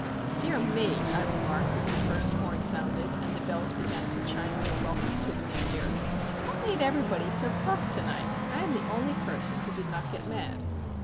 "Dear me!" I remarked as the first horn sounded, and the bells began to chime their welcome to the New Year;—"what made everybody so cross to night? I am the only person who did not get mad."